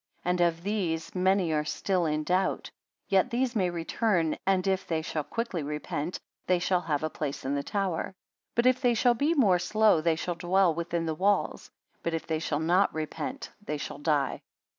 And of these many are still in doubt, yet these may return; and if they shall quickly repent, they shall have a place in the tower; but if they shall be more slow, they shall dwell within the walls; but if they shall not repent, they shall die.